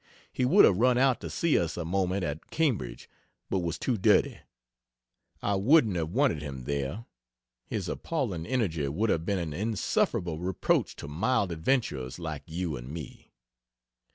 He would have run out to see us a moment at Cambridge, but was too dirty. I wouldn't have wanted him there his appalling energy would have been an insufferable reproach to mild adventurers like you and me.